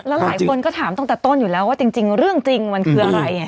แล้วหลายคนก็ถามตั้งแต่ต้นอยู่แล้วว่าจริงเรื่องจริงมันคืออะไร